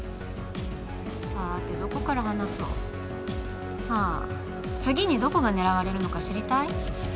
さてどこから話そうああ次にどこが狙われるのか知りたい？